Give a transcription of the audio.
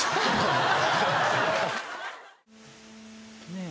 「ねえ。